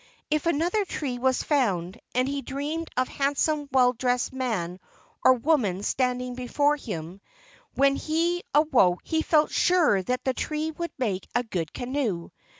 If another tree was found and he dreamed of a handsome well dressed man or woman standing before him, when he awoke he felt sure that the tree would make a good canoe.